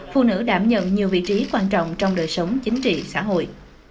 phụ nữ đảm nhận nhiều vị trí quan trọng trong đời sống chính trị xã hội